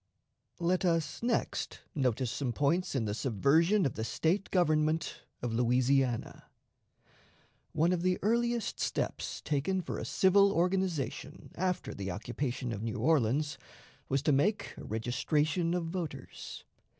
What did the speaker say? Let us next notice some points in the subversion of the State government of Louisiana. One of the earliest steps taken for a civil organization, after the occupation of New Orleans, was to make a registration of voters.